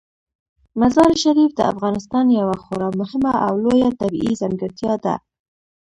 مزارشریف د افغانستان یوه خورا مهمه او لویه طبیعي ځانګړتیا ده.